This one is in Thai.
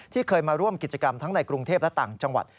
เคยมาร่วมกิจกรรมทั้งในกรุงเทพและต่างจังหวัด